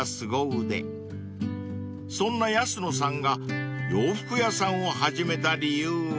［そんな安野さんが洋服屋さんを始めた理由は］